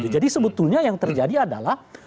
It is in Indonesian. jadi sebetulnya yang terjadi adalah